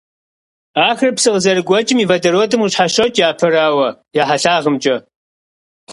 Ахэр псы къызэрыгуэкӀым и водородым къыщхьэщокӀ, япэрауэ, я хьэлъагъымкӀэ.